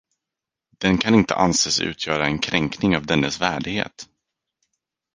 Den kan inte anses utgöra en kränkning av dennes värdighet.